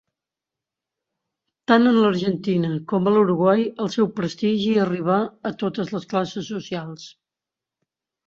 Tant en l'Argentina com a l'Uruguai, el seu prestigi arribà a totes les classes socials.